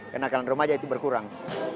kenakanan remaja itu berkurang